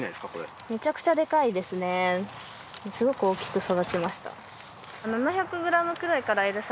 すごく大きく育ちました。